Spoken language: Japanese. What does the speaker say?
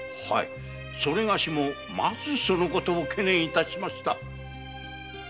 それがしもまずその事を懸念致しました。